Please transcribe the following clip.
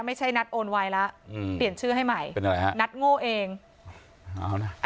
ไม่ใช่นัดโอนไวแล้วอืมเปลี่ยนชื่อให้ใหม่เป็นอะไรฮะนัดโง่เองเอานะ